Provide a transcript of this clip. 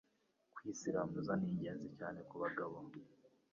Kwisiramuza ningenzi cyane kubagabo